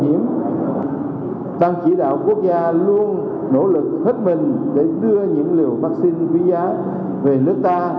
chính phủ đang chỉ đạo quốc gia luôn nỗ lực hết mình để đưa những liều vaccine quý giá về nước ta